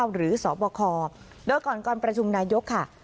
หรือสบคโดยก่อนก่อนประชุมนายกค่ะ